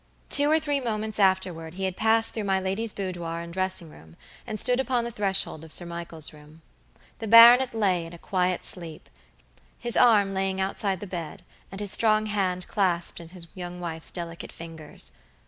Two or three moments afterward he had passed through my lady's boudoir and dressing room and stood upon the threshold of Sir Michael's room. The baronet lay in a quiet sleep, his arm laying outside the bed, and his strong hand clasped in his young wife's delicate fingers.